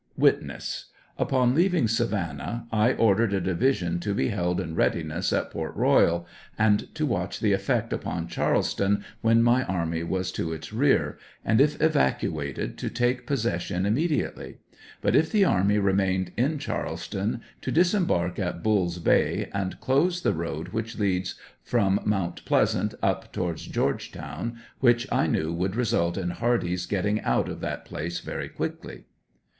Witness. Upon leaving Savannah I ordered a divi sion to be held in readiness at Port Eoyal, and to watch the effect upon Charleston when my army was to its rear, and if evacuated to take possession imme diately, but if the army remained in Charleston to dis embark at Bull's Bay and close the road which leads from Mt. Pleasant up towards Georgetown, which 1 knew would result in Hardee's getting out of that place very quickly.